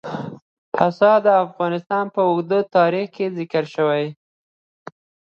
پسه د افغانستان په اوږده تاریخ کې ذکر شوی دی.